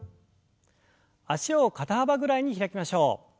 脚を肩幅ぐらいに開きましょう。